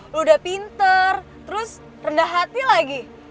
udah pinter terus rendah hati lagi